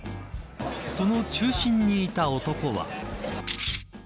その中心にいた男は。